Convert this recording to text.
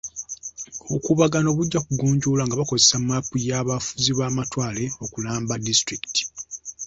Obukuubagano bujja kugonjoolwa nga bakozesa mmaapu y'abafuzi b'amatwale okulamba disitulikiti.